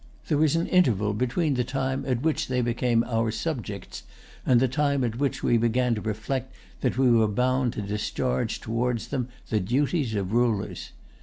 There was an interval between the time at which they became our subjects, and the time at which we began to reflect that we were bound to discharge towards them the duties of rulers.